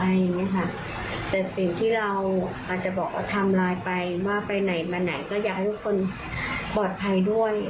แต่สิ่งที่เราอาจจะบอกว่าทำร้ายไปว่าไปไหนมาไหนก็อยากให้ทุกคนปลอดภัยด้วย